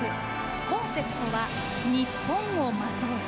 コンセプトはニッポンをまとう。